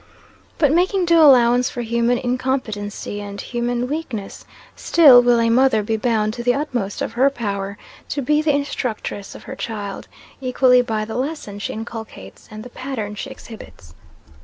But making due allowance for human incompetency and human weakness, still will a mother be bound to the utmost of her power to be the instructress of her child, equally by the lesson she inculcates and the pattern she exhibits.